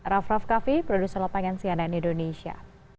raff kaffi produser lepangensiana indonesia